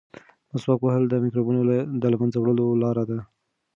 مسواک وهل د مکروبونو د له منځه وړلو لاره ده.